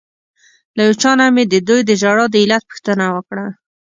له یو چا نه مې ددوی د ژړا د علت پوښتنه وکړه.